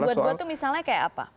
kesan dibuat buat itu misalnya kayak apa